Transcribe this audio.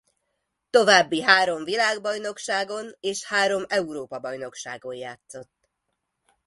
További három világbajnokságon és három Európa-bajnokságon játszott.